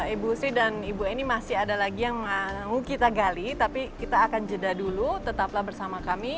ibu sri dan ibu ini masih ada lagi yang mau kita gali tapi kita akan jeda dulu tetaplah bersama kami